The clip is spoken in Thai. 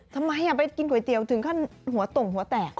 ทำไมไปกินก๋วยเตี๋ยวถึงขั้นหัวต่งหัวแตก